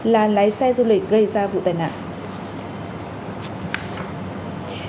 là lái xe du lịch gây ra vụ tai nạn